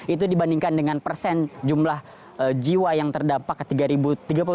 itu dibandingkan dengan persen jumlah jiwa yang terdampak ke tiga puluh tujuh ribu